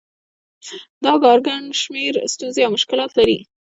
دا کار ګڼ شمېر ستونزې او مشکلات لري